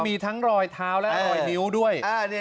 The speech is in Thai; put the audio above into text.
มีทั้งรอยเท้าและรอยนิ้วด้วย